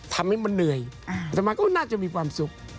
ทำให้มันเหนื่อยแต่มันก็น่าจะมีความสุข